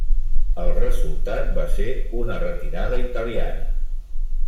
El resultat va ser una retirada italiana.